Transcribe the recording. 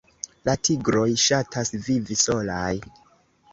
La tigroj ŝatas vivi solaj.